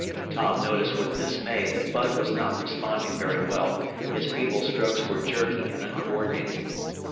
Tom noticed with dismay that Bud was not responding very well, his feeble strokes were jerky and uncoordinated.